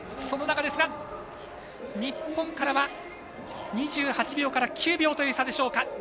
その中ですが日本からは、２８秒から２９秒という差でしょうか。